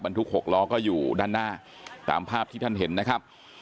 ทุก๖ล้อก็อยู่ด้านหน้าตามภาพที่ท่านเห็นนะครับ